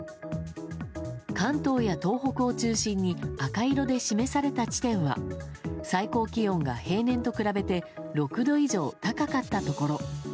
関東や東北を中心に赤色で示された地点は最高気温が平年と比べて６度以上高かったところ。